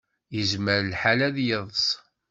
Yezmer lḥal ad yeḍs.